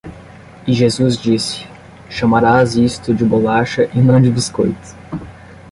E Jesus disse, chamarás isto de bolacha e não de biscoito!